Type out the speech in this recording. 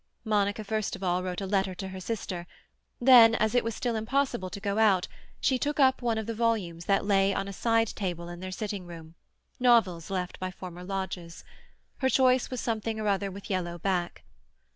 Monica first of all wrote a letter to her sister; then, as it was still impossible to go out, she took up one of the volumes that lay on a side table in their sitting room, novels left by former lodgers. Her choice was something or other with yellow back.